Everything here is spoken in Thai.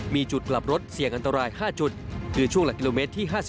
มีจุดกลับรถเสี่ยงอันตราย๕จุดคือช่วงหลักกิโลเมตรที่๕๐